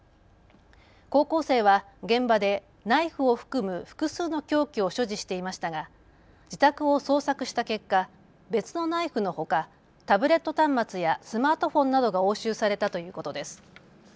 高校生は現場でナイフを含む複数の凶器を所持していましたが自宅を捜索した結果、別のナイフのほかタブレット端末やスマートフォンなどが押収されたということです。